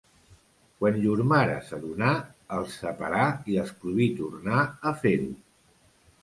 Quan llur mare s'adonà els separà i els prohibí tornar a fer-ho.